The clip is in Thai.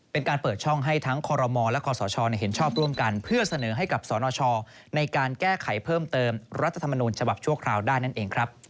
เป็นการเปิดช่องให้ทั้งคอรมอและคศเห็นชอบร่วมกันเพื่อเสนอให้กับสนชในการแก้ไขเพิ่มเติมรัฐธรรมนูญฉบับชั่วคราวได้นั่นเองครับ